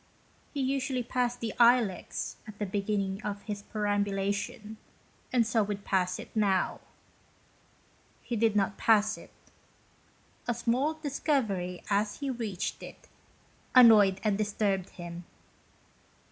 He usually passed the Ilex at the beginning of his perambu lation, and so would pass it now. He did not pass it. A small discovery, as he reached it, annoyed and disturbed him.